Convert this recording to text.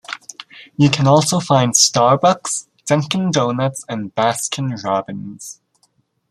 You can also find Starbucks, Dunkin' Donuts, and Baskin Robbins.